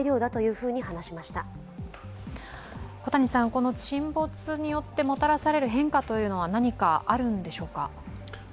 この沈没によってもたらされる変化は何かあるんでしょうか？